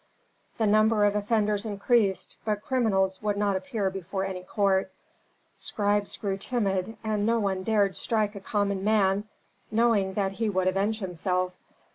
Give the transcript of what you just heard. The number of offenders increased, but criminals would not appear before any court. Scribes grew timid, and no one dared strike a common man, knowing that he would avenge himself.